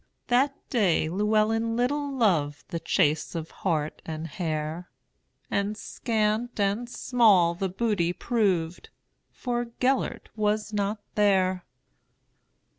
That day Llewelyn little lovedThe chase of hart and hare; And scant and small the booty proved, For Gêlert was not there.